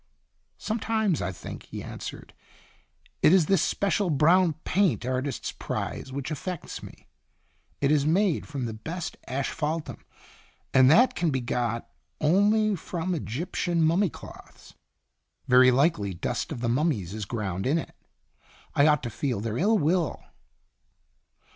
"Sometimes I think," he answered, "it is this special brown paint artists prize which affects me. It is made from the besc asphal 26 &n Itinerant fonse. turn, and that can be got only from Egyptian mummy cloths. Very likely dust of the mum mies is ground in it. I ought to feel their ill will."